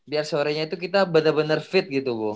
biar sorenya itu kita bener bener fit gitu bu